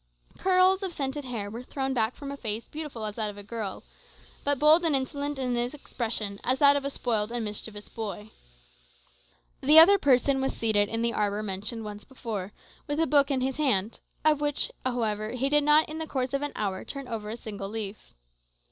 Curls of scented hair were thrown back from a face beautiful as that of a girl, but bold and insolent in its expression as that of a spoiled and mischievous boy. The other person was seated in the arbour mentioned once before, with a book in his hand, of which, however, he did not in the course of an hour turn over a single leaf.